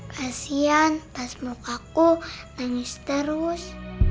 kasian pas muka aku nangis terus